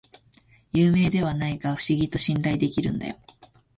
有名ではないが不思議と信頼できるんだよ